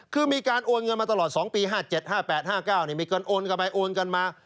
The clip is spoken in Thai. คือมีการโอนเงินมาตลอด๒ปี๕๗๕๘๕๙มีเงินโอนกันไปโอนกันมา